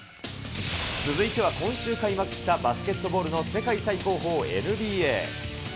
続いては今週開幕したバスケットボールの世界最高峰、ＮＢＡ。